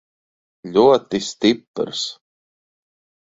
Ļoti stiprs.